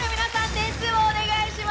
点数をお願いします。